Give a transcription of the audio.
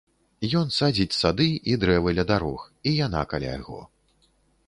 Ён садзіць сады і дрэвы ля дарог, і яна каля яго.